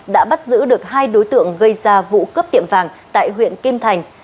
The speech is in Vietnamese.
đã bắt giữ được hai đối tượng gây ra vụ cướp tiệm vàng tại huyện kim thành